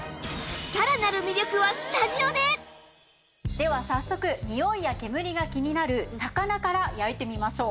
では早速においや煙が気になる魚から焼いてみましょう。